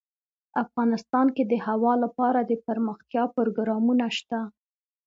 افغانستان کې د هوا لپاره دپرمختیا پروګرامونه شته.